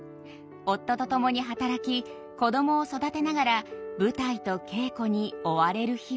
夫と共に働き子供を育てながら舞台と稽古に追われる日々。